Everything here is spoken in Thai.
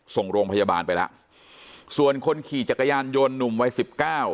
ส่งโรงพยาบาลไปแล้วส่วนคนขี่จักรยานยนต์หนุ่มวัยสิบเก้า